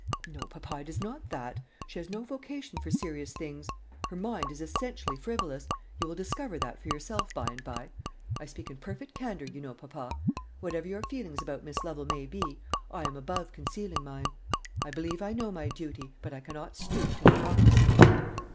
"No, papa, it is not that. She has no vocation for serious things. Her mind is essentially frivolous; you will discover that for yourself by and by. I speak in perfect candour, you know, papa. Whatever your feelings about Miss Lovel may be, I am above concealing mine. I believe I know my duty; but I cannot stoop to hypocrisy."